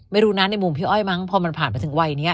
ไม่รู้นะในมุมพี่อ้อยมั้งพอมันผ่านไปถึงวัยนี้